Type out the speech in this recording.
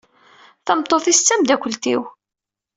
Tameṭṭut-is d tamdakelt-iw.